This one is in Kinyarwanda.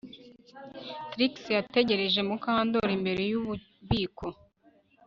Trix yategereje Mukandoli imbere yububiko